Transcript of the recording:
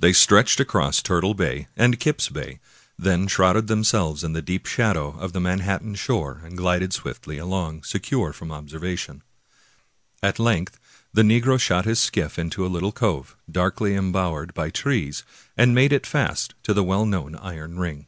211 American Mystery Stories stretched across Turtle Bay and Kip's Bay,^ then shrouded themselves in the deep shadows of the Manhattan shore, and glided swiftly along, secure from observation. At length the negro shot his skiff into a little cove, darkly em bowered by trees, and made it fast to the well known iron ring.